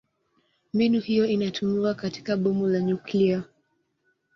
Mbinu hiyo inatumiwa katika bomu la nyuklia.